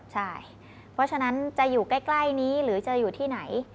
ใช่เพราะฉะนั้นจะอยู่ใกล้นี้หรือจะอยู่ที่ไหน